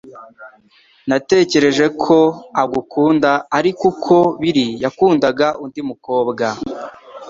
Natekereje ko agukunda ariko uko biri yakundaga undi mukobwa